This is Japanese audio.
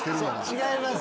違います